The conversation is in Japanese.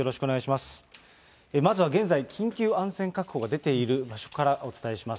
まずは現在、緊急安全確保が出ている場所からお伝えします。